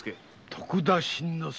徳田新之助。